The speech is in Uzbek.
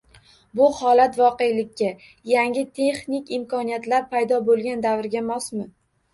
Bu holat voqelikka – yangi texnik imkoniyatlar paydo bo‘lgan davrga mosmi?